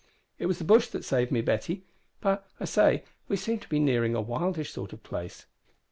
"It was the bush that saved me, Betty. But, I say, we seem to be nearing a wildish sort of place."